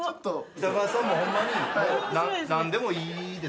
北川さんもホンマに何でもいいですよ。